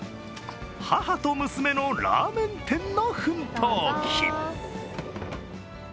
母と娘のラーメン店の奮闘記。